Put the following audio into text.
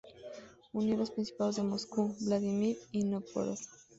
Unió los principados de Moscú, Vladímir y Nóvgorod.